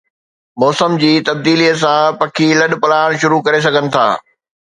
موسم جي تبديلي سان، پکي لڏپلاڻ شروع ڪري سگھن ٿا